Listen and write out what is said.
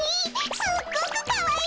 すっごくかわいい！